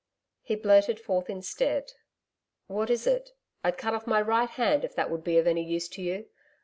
He blurted forth instead? 'What is it? I'd cut off my right hand if that would be of any use to you.